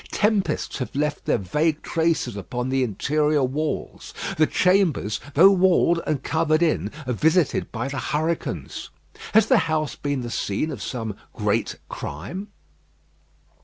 Tempests have left their vague traces upon the interior walls. The chambers, though walled and covered in, are visited by the hurricanes. Has the house been the scene of some great crime?